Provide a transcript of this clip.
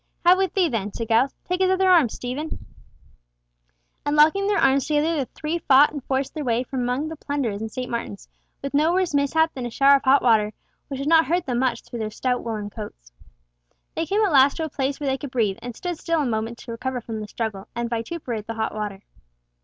"Have with thee then," said Giles: "Take his other arm, Steve;" and locking their arms together the three fought and forced their way from among the plunderers in St. Martin's with no worse mishap than a shower of hot water, which did not hurt them much through their stout woollen coats. They came at last to a place where they could breathe, and stood still a moment to recover from the struggle, and vituperate the hot water.